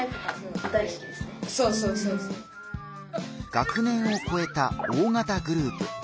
学年をこえた大型グループ。